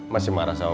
masih marah sama mas